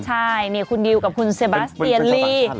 ใช่นี่คุณดิวกับคุณเซบาสเตียลี่